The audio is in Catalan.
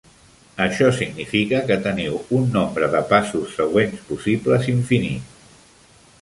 Això significa que teniu un nombre de passos següents possibles infinit.